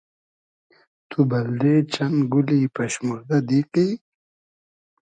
تو بئلدې چئن گولی پئشموردۂ دیقی؟